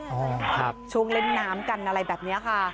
ใช่ครับช่วงเล่นน้ำกันอะไรแบบนี้ค่ะ